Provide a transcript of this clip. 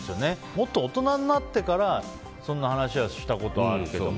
もっと大人になってからそんな話はしたことあるけど。